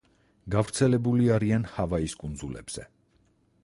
გავრცელებული არიან ჰავაის კუნძულებზე.